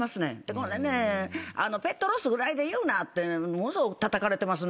これねペットロスぐらいで言うなってものすごくたたかれてます。